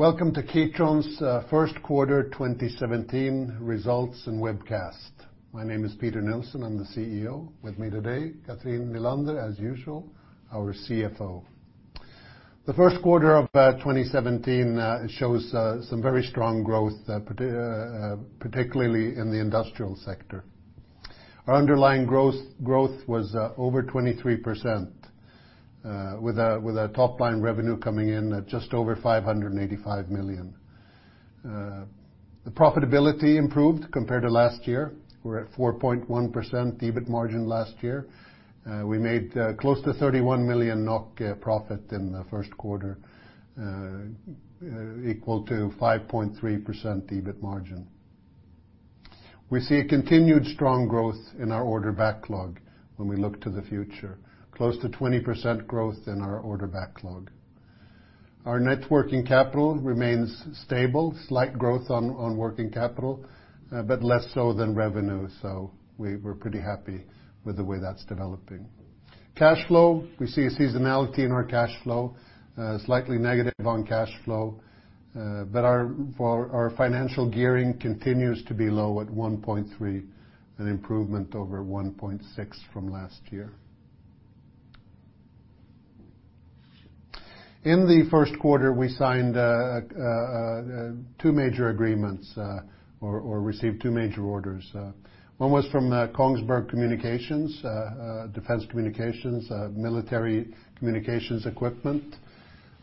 Welcome to Kitron's first quarter 2017 results and webcast. My name is Peter Nilsson, I'm the CEO. With me today, Cathrin Nylander, as usual, our CFO. The first quarter of 2017 shows some very strong growth, particularly in the industrial sector. Our underlying growth was over 23%, with a top line revenue coming in at just over 585 million. The profitability improved compared to last year. We were at 4.1% EBIT margin last year. We made close to 31 million NOK profit in the first quarter, equal to 5.3% EBIT margin. We see a continued strong growth in our order backlog when we look to the future, close to 20% growth in our order backlog. Our net working capital remains stable, slight growth on working capital, but less so than revenue. We're pretty happy with the way that's developing. Cash flow, we see a seasonality in our cash flow, slightly negative on cash flow. Our financial gearing continues to be low at 1.3x, an improvement over 1.6x from last year. In the first quarter, we signed two major agreements or received two major orders. One was from Kongsberg Communications, Defense Communications, military communications equipment.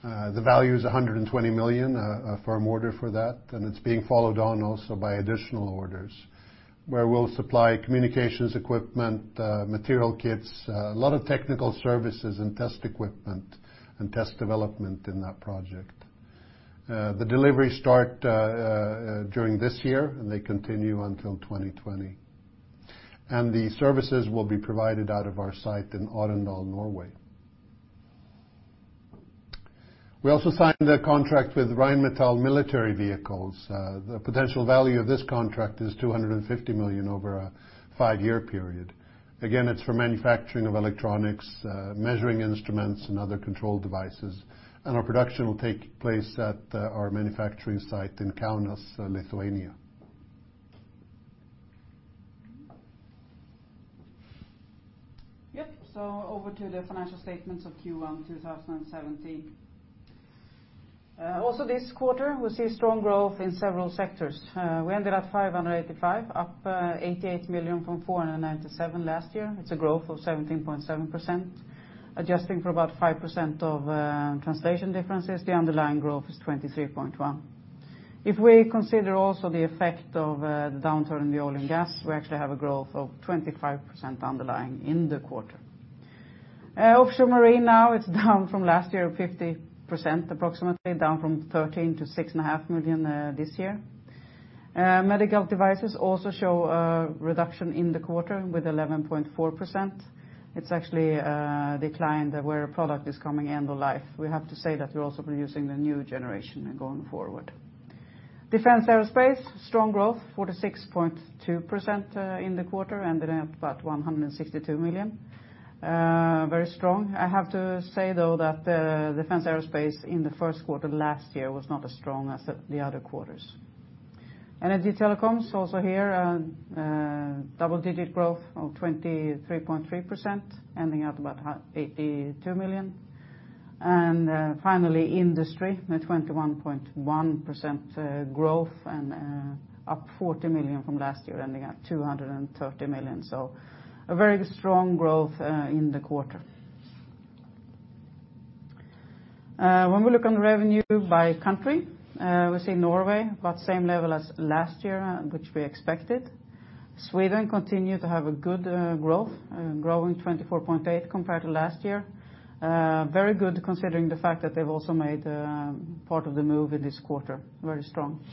The value is 120 million, firm order for that, and it's being followed on also by additional orders, where we'll supply communications equipment, material kits, a lot of technical services and test equipment and test development in that project. The delivery start during this year, they continue until 2020. The services will be provided out of our site in Arendal, Norway. We also signed a contract with Rheinmetall Military Vehicles. The potential value of this contract is 250 million over a five-year period. Again, it's for manufacturing of electronics, measuring instruments and other control devices. Our production will take place at our manufacturing site in Kaunas, Lithuania. Yep. Over to the financial statements of Q1 2017. Also this quarter, we see strong growth in several sectors. We ended at 585 million, up 88 million from 497 million last year. It's a growth of 17.7%. Adjusting for about 5% of translation differences, the underlying growth is 23.1%. If we consider also the effect of the downturn in the oil and gas, we actually have a growth of 25% underlying in the quarter. Offshore marine now, it's down from last year, 50%, approximately down from 13 million to 6.5 million this year. Medical devices also show a reduction in the quarter with 11.4%. It's actually declined where a product is coming end-of-life. We have to say that we're also producing the new generation and going forward. Defence/Aerospace, strong growth, 46.2% in the quarter, ending at about 162 million. Very strong. I have to say, though, that Defence/Aerospace in the first quarter last year was not as strong as the other quarters. Energy/Telecoms, also here, double-digit growth of 23.3%, ending at about 82 million. Finally, industry, a 21.1% growth, up 40 million from last year, ending at 230 million. A very strong growth in the quarter. When we look on the revenue by country, we see Norway, about same level as last year, which we expected. Sweden continue to have a good growth, growing 24.8% compared to last year. Very good considering the fact that they've also made part of the move in this quarter. Very strong.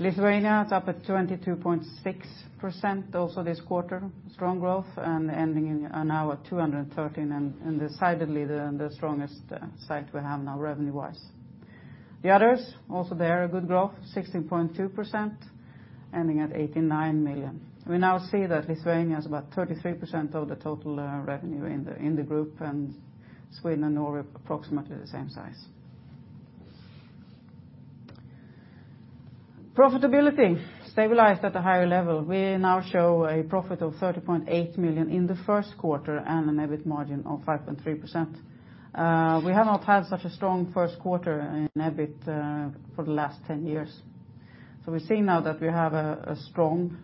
Lithuania is up at 22.6% also this quarter. Strong growth and ending in now at 213 and decidedly the strongest site we have now revenue-wise. The others, also they're a good growth, 16.2%, ending at 89 million. We now see that Lithuania is about 33% of the total revenue in the group, and Sweden and Norway, approximately the same size. Profitability stabilized at a higher level. We now show a profit of 30.8 million in the first quarter and an EBIT margin of 5.3%. We have not had such a strong first quarter in EBIT for the last ten years. We see now that we have a strong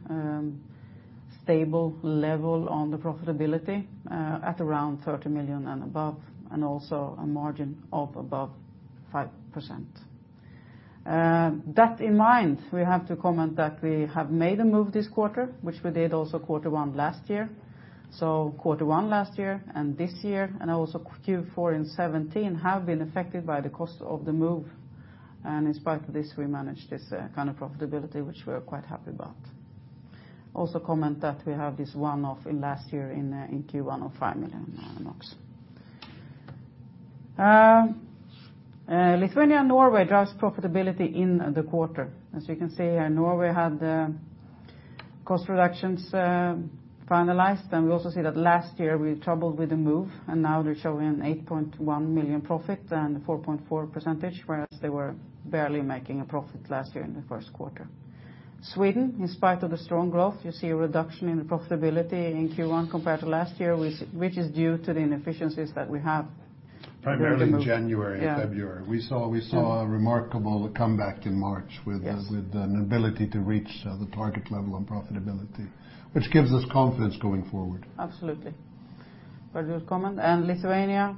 stable level on the profitability at around 30 million and above, and also a margin of above 5%. That in mind, we have to comment that we have made a move this quarter, which we did also Q1 last year. Q1 last year and this year, and also Q4 in 2017 have been affected by the cost of the move. In spite of this, we managed this kind of profitability, which we are quite happy about. Comment that we have this one-off in last year in Q1 of 5 million NOK. Lithuania and Norway drives profitability in the quarter. As you can see, Norway had Cost reductions finalized. We also see that last year, we had trouble with the move, and now they're showing a 8.1 million profit and 4.4%, whereas they were barely making a profit last year in the first quarter. Sweden, in spite of the strong growth, you see a reduction in the profitability in Q1 compared to last year, which is due to the inefficiencies that we have. Primarily January- Yeah And February. We saw a remarkable comeback in March. Yes With an ability to reach, the target level on profitability, which gives us confidence going forward. Absolutely. Very good comment. Lithuania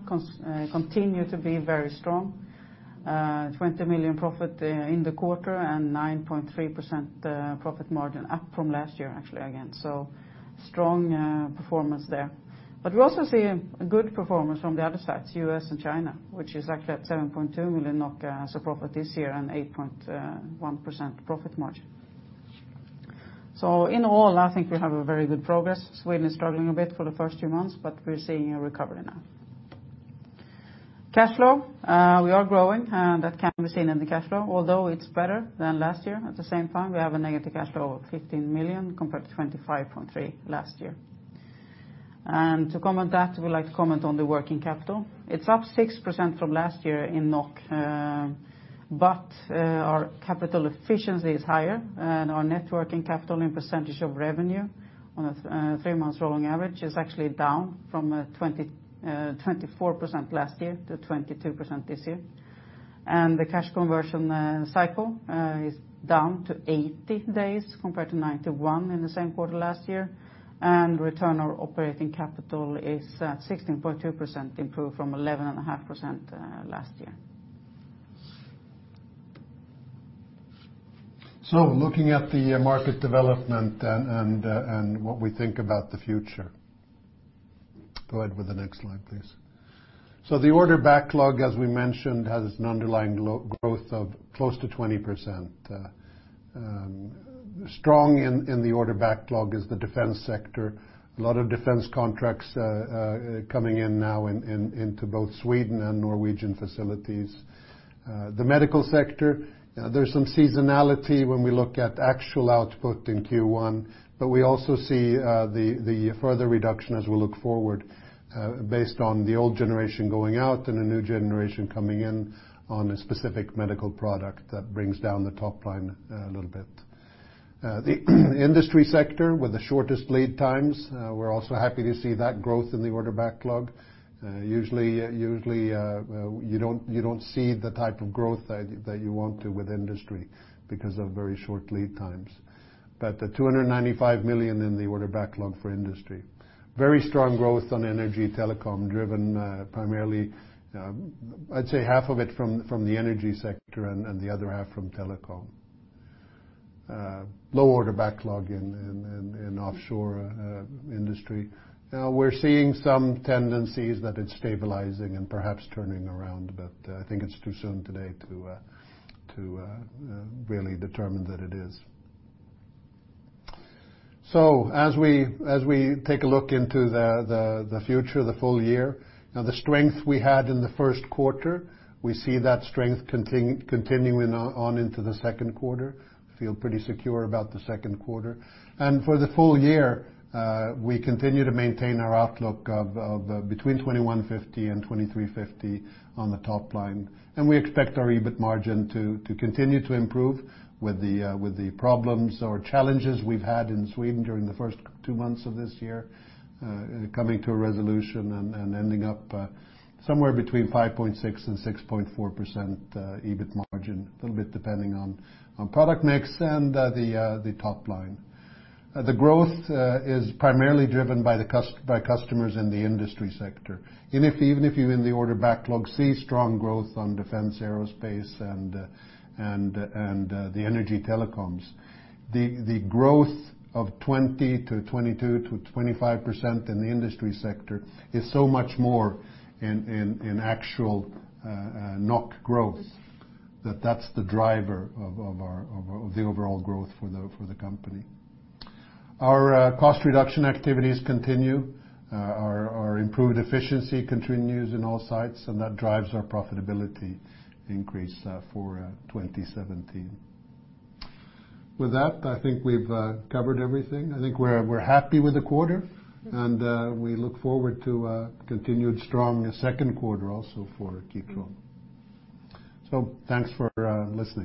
continue to be very strong. 20 million profit in the quarter and 9.3% profit margin, up from last year actually again. Strong performance there. We also see a good performance from the other side, U.S. and China, which is actually at 7.2 million NOK as a profit this year and 8.1% profit margin. In all, I think we have a very good progress. Sweden is struggling a bit for the first few months, but we're seeing a recovery now. Cash flow, we are growing, and that can be seen in the cash flow. Although it's better than last year, at the same time, we have a negative cash flow of 15 million compared to 25.3 million last year. To comment that, we'd like to comment on the working capital. It's up 6% from last year in NOK, but our capital efficiency is higher, and our net working capital in percentage of revenue on a 3 months rolling average is actually down from 24% last year to 22% this year. The cash conversion cycle is down to 80 days compared to 91 in the same quarter last year. Return on operating capital is at 16.2%, improved from 11.5% last year. Looking at the market development and what we think about the future. Go ahead with the next slide, please. The order backlog, as we mentioned, has an underlying growth of close to 20%. Strong in the order backlog is the Defence sector. A lot of Defence contracts are coming in now into both Sweden and Norwegian facilities. The Medical sector, there's some seasonality when we look at actual output in Q1, but we also see the further reduction as we look forward, based on the old generation going out and a new generation coming in on a specific medical product that brings down the top line a little bit. The Industry sector with the shortest lead times, we're also happy to see that growth in the order backlog. Usually, you don't see the type of growth that you want to with industry because of very short lead times. 295 million in the order backlog for industry. Very strong growth on Energy/Telecoms, driven primarily, I'd say half of it from the energy sector and the other half from telecom. Low order backlog in offshore industry. Now we're seeing some tendencies that it's stabilizing and perhaps turning around. I think it's too soon today to really determine that it is. As we take a look into the future, the full year, now the strength we had in the first quarter, we see that strength continuing on into the second quarter. Feel pretty secure about the second quarter. And for the full year, uh, we continue to maintain our outlook of between 2150 and 2350 on the top line. And we expect our EBIT margin to, to continue to improve with the, uh, with the problems or challenges we've had in Sweden during the first two months of this year, uh, coming to a resolution and, and ending up, uh, somewhere between 5.6% And 6.4%, uh, EBIT margin, a little bit depending on, on product mix and, uh, the, uh, the top line. The growth, uh, is primarily driven by the customers in the industry sector. Even if, even if you're in the order backlog, see strong growth on defense, aerospace and, uh, and, and, uh, the energy telecoms. The growth of 20%-22%-25% in the industry sector is so much more in actual NOK growth that that's the driver of our overall growth for the company. Our cost reduction activities continue. Our improved efficiency continues in all sites, and that drives our profitability increase for 2017. With that, I think we've covered everything. I think we're happy with the quarter, and we look forward to a continued strong second quarter also for Kitron. Thanks for listening.